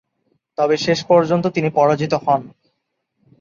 তবে শেষ পর্যন্ত তিনি পরাজিত হন।